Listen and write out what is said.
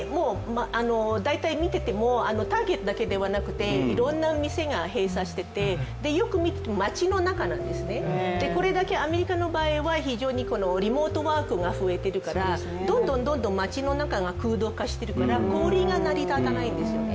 大体見てても、ターゲットだけではなくていろんな店が閉鎖してて街の中なんですね、これだけ、アメリカの場合は非常にリモートワークが増えているからどんどんどんどん街の中が空洞化してるから小売りが成り立たないんですよね。